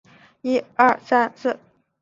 赶快来吃钩